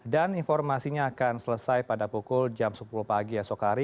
dan informasinya akan selesai pada pukul jam sepuluh pagi esok hari